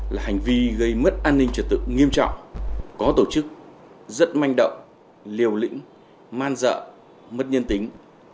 là hành vi gây mất an ninh trật tự nghiêm trọng có tổ chức rất manh động liều lĩnh man dợ mất nhân tính